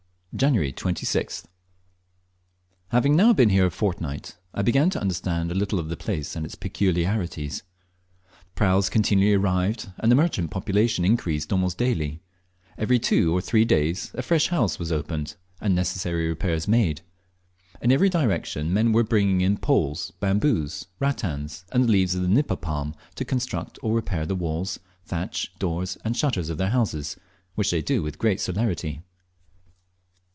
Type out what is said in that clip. Jan. 26th. Having now been here a fortnight, I began to understand a little of the place and its peculiarities. Praus continually arrived, and the merchant population increased almost daily. Every two or three days a fresh house was opened, and the necessary repairs made. In every direction men were bringing in poles, bamboos, rattans, and the leaves of the nipa palm to construct or repair the walls, thatch, doors, and shutters of their houses, which they do with great celerity.